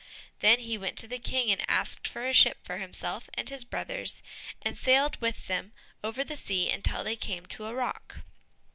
Then he went to the King, and asked for a ship for himself and his brothers, and sailed with them over the sea until they came to the rock.